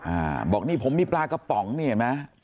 อ่าบอกนี่ผมมีปลากระป๋องนี่เห็นไหม